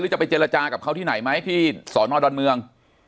จะไปเจรจากับเขาที่ไหนไหมที่สอนอดอนเมือง